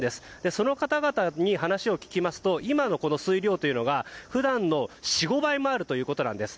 その方々に話を聞きますと今の水量というのが普段の４５倍もあるということです。